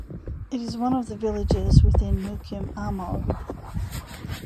It is one of the villages within Mukim Amo.